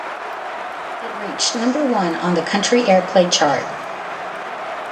It reached number one on the Country Airplay chart.